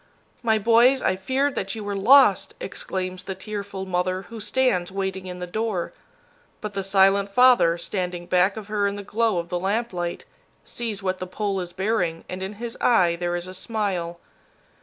"My boys, I feared that you were lost!" exclaims the tearful mother who stands waiting in the door. But the silent father, standing back of her in the glow of the lamplight, sees what the pole is bearing, and in his eye there is a smile.